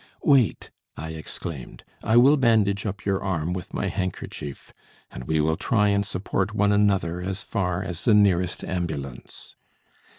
"Wait," I exclaimed, "I will bandage up your arm with my handkerchief, and we will try and support one another as far as the nearest ambulance."